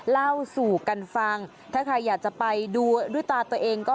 เล่าสู่กันฟังถ้าใครอยากจะไปดูด้วยตาตัวเองก็